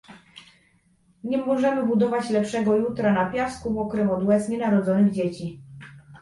Nie możemy budować lepszego jutra na piasku mokrym od łez nienarodzonych dzieci